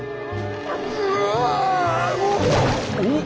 おっ？